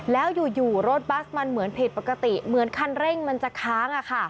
แล้วอยู่รถบัสมันเหมือนผิดปกติเหมือนคันเร่งมันจะค้าง